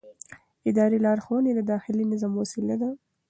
اداري لارښوونې د داخلي نظم وسیله ده.